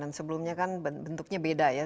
dan sebelumnya kan bentuknya beda ya